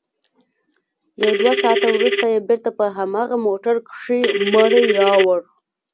يو دوه ساعته وروسته يې بېرته په هماغه موټر کښې مړى راوړ.